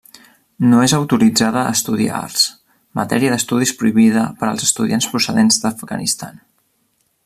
No és autoritzada a estudiar arts, matèria d'estudis prohibida per als estudiants procedents d'Afganistan.